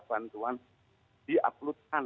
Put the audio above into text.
bantuan di uploadkan